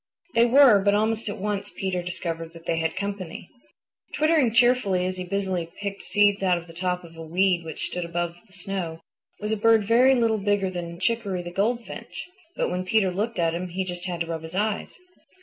They were, but almost at once Peter discovered that they had company. Twittering cheerfully as he busily picked seeds out of the top of a weed which stood above the snow, was a bird very little bigger than Chicoree the Goldfinch. But when Peter looked at him he just had to rub his eyes.